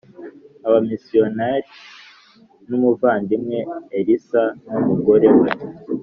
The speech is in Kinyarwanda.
abamisiyonari n umuvandimwe Ellis n umugore we